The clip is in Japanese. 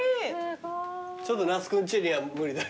ちょっと那須君ちには無理だ。